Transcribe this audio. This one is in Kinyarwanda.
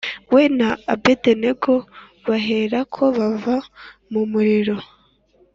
We na Abedenego baherako bava mu muriro